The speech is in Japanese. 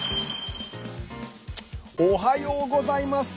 おはようございます。